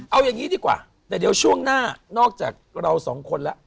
เอาอย่างนี้ดีกว่าแต่เดี๋ยวช่วงหน้านอกจากเราสองคนแล้ว